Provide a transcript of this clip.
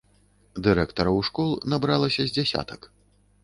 Дырэктараў школ набралася з дзясятак.